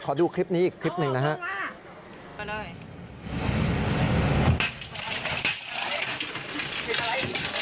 ขอดูคลิปนี้อีกคลิปหนึ่งนะครับโอ้โฮคุณผู้ชมว่าไปเลย